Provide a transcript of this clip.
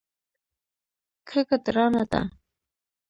کږه درانه ده.